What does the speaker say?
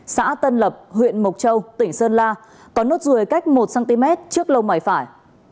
xã tân lập huyện mộc châu tỉnh sơn la có nốt ruồi cách một cm trước lông mảy phải